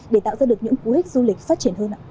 để tạo ra được những cú hích du lịch phát triển hơn ạ